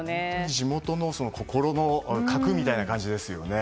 地元の心の核みたいな感じですよね。